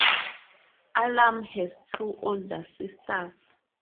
Allam has two older sisters.